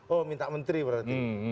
oh minta menteri berarti